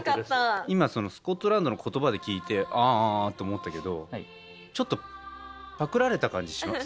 今そのスコットランドの言葉で聴いて「あ」って思ったけどちょっとパクられた感じします。